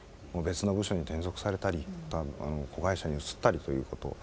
別の部署に転属されたりまた子会社に移ったりということを。